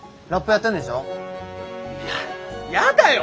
ややだよ！